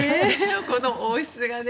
この王室がね。